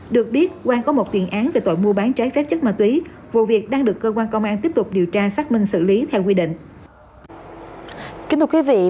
được biết quang có một tiền án về tội mua bán trái phép chất ma túy vụ việc đang được cơ quan công an tiếp tục điều tra xác minh xử lý theo quy định